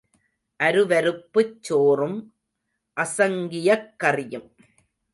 அருவருப்புச் சோறும் அசங்கியக் கறியும்.